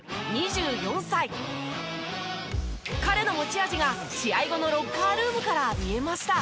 彼の持ち味が試合後のロッカールームから見えました。